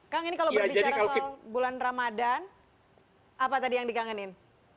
kang ini kalau berbicara soal bulan ramadhan apa tadi yang dikangenin